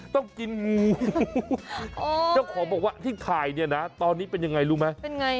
ต้องกินงูเจ้าของบอกว่าที่ถ่ายเนี่ยนะตอนนี้เป็นยังไงรู้ไหมเป็นไง